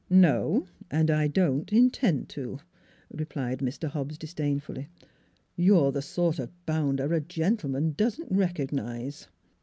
"No; and I don't intend to," replied Mr. Hobbs disdainfully. " You're the sort of bounder a gentleman doesn't recognize."